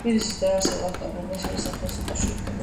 თბილისის დაარსება ვახტანგ გორგასალის სახელს უკავშირდება.